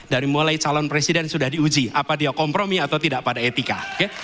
dari mulai calon presiden sudah diuji apa dia kompromi atau tidak pada etika